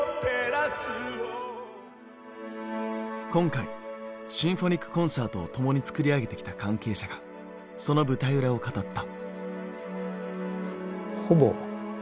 今回シンフォニックコンサートを共に作り上げてきた関係者がその舞台裏を語った。